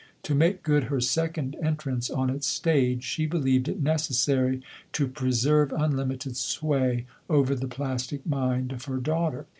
To make good her second entrance on its stage, she believed it necessary to preserve unlimited sway over the plastic mind of her daughter.